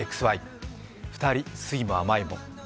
２人、酸いも甘いも。